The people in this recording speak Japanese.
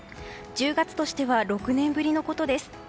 １０月としては６年ぶりのことです。